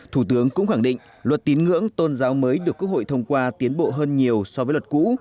thủ tướng cũng khẳng định luật tín ngưỡng tôn giáo mới được quốc hội thông qua tiến bộ hơn nhiều so với luật cũ